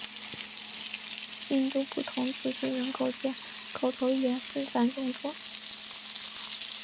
印度不同族群人口间口头语言纷繁众多。